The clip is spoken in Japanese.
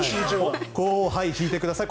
引いてください。